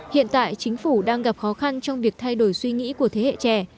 hiện tại chính phủ đang gặp khó khăn trong việc thay đổi suy nghĩ của thế hệ trẻ